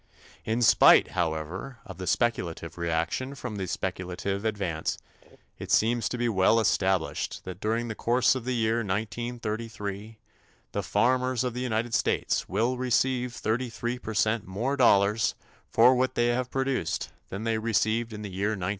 In spite, however, of the speculative reaction from the speculative advance, it seems to be well established that during the course of the year 1933 the farmers of the United States will receive 33 percent more dollars for what they have produced than they received in the year 1932.